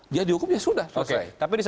dia dihukum ya sudah selesai